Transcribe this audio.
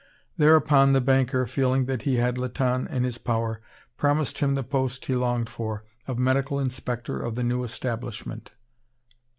Thereupon, the banker, feeling that he had Latonne in his power, promised him the post he longed for, of medical inspector of the new establishment.